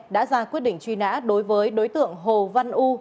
đã ra quyết định truy nã đối với đối tượng hồ văn u